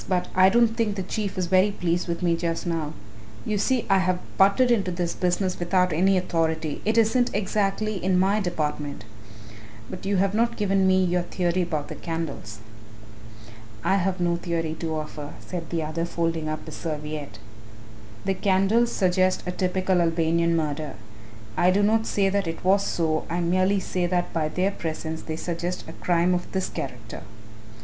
"but I don't think the Chief is very pleased with me just now. You see I have butted into this business without any authority it isn't exactly in my department. But you have not given me your theory about the candles." "I have no theory to offer," said the other, folding up his serviette; "the candles suggest a typical Albanian murder. I do not say that it was so, I merely say that by their presence they suggest a crime of this character."